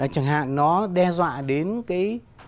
chẳng hạn nó đe dọa đến cái